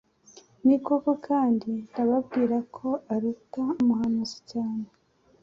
Ni koko: Kandi ndababwira ko aruta umuhanuzi cyane.